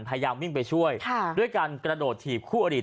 พยายามวิ่งไปช่วยด้วยการกระโดดถีบคู่อดีต